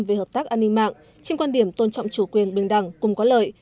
về hợp tác an ninh mạng trên quan điểm tôn trọng chủ quyền bình đẳng cùng có lợi